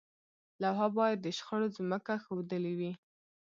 لوحه باید د شخړې ځمکه ښودلې وي.